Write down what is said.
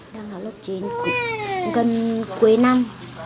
đang học lớp chín gần cuối năm